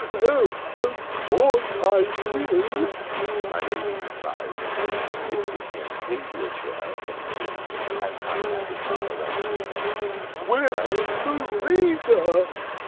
Of course I will!" my Lady replied, as she lifted him into a chair, and pinned an anti macassar round his neck. "Where's the razor?"